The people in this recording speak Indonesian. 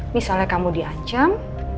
misalnya kamu diancam